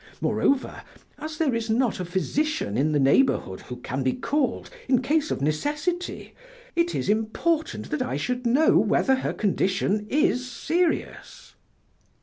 Moreover, as there is not a physician in the neighborhood who can be called, in case of necessity, it is important that I should know whether her condition is serious."